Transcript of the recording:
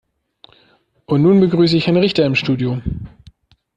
Und nun begrüße ich Herrn Richter im Studio.